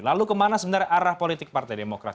lalu kemana sebenarnya arah politik partai demokrat